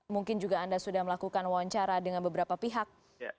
mungkin juga anda sudah melakukan wawancara dengan beberapa pihak